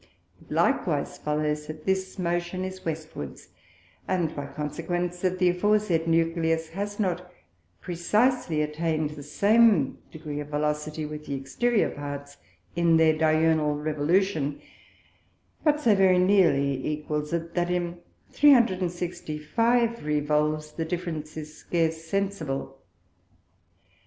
It likewise follows, that this Motion is Westwards, and by consequence that the aforesaid Nucleus has not precisely attained the same degree of Velocity with the exteriour Parts in their diurnal Revolution; but so very nearly equals it, that in 365 Revolves the difference is scarce sensible.